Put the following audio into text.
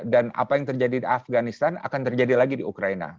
dan apa yang terjadi di afganistan akan terjadi lagi di ukraina